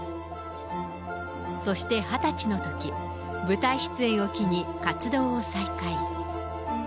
そして２０歳のとき、舞台出演を機に活動を再開。